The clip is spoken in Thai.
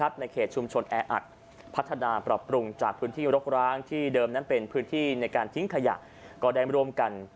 ในเขตชุมชนแออัดพัฒนาปรับปรุงจากพื้นที่รกร้างที่เดิมนั้นเป็นพื้นที่ในการทิ้งขยะก็ได้ร่วมกัน